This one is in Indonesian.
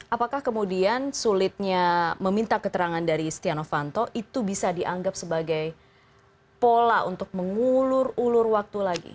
apakah kemudian sulitnya meminta keterangan dari stiano fanto itu bisa dianggap sebagai pola untuk mengulur ulur waktu lagi